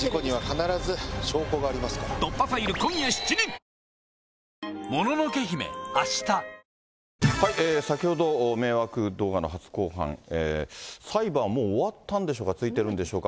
ＢＥＴＨＥＣＨＡＮＧＥ三井不動産先ほど、迷惑動画の初公判、裁判はもう終わったんでしょうか、続いてるんでしょうか。